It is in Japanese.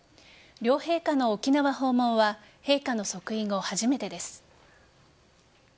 両陛下の沖縄訪問は陛下の即位後初めてです。